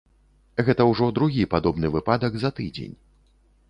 Гэта ўжо другі падобны выпадак за тыдзень.